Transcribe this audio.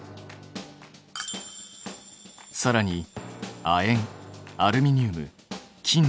さらに亜鉛アルミニウム金では？